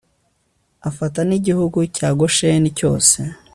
afata n'igihugu cya gosheni cyose